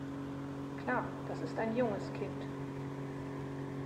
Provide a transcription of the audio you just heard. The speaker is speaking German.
Klar, das ist ein junges Kind.